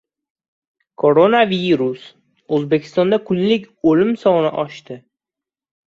Koronavirus! O‘zbekistonda kunlik o‘lim soni oshdi